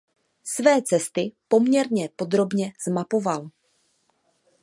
Své cesty poměrně podrobně zmapoval.